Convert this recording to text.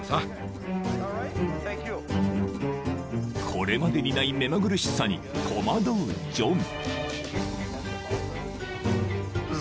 ［これまでにない目まぐるしさに戸惑うジョン］